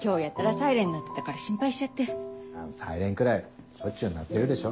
サイレンくらいしょっちゅう鳴ってるでしょ。